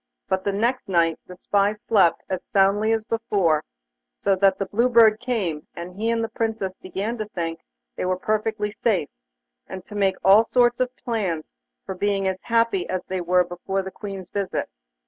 But the next night the spy slept as soundly as before, so that the Blue Bird came, and he and the Princess began to think they were perfectly safe, and to make all sorts of plans for being happy as they were before the Queen's visit.